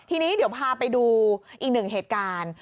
ทีนี้เดี๋ยวพาไปดูอีกหนึ่งเหตุการณ์